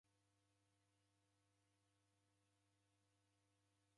Angu ndechina faida sichikunde.